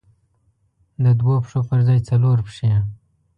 د دوو پښو پر ځای څلور پښې.